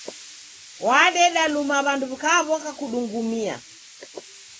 Wadeda luma w'andu w'ikaw'oka kudungumia.